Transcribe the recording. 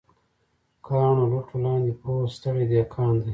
کاڼو، لوټو لاندې پروت ستړی دهقان دی